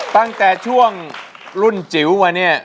ตั้งแต่ช่วงรุ่นจิ๋วมาเนี่ย